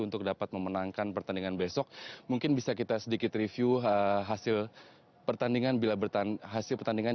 untuk dapat memenangkan pertandingan besok mungkin bisa kita sedikit review hasil pertandingan hasil pertandingan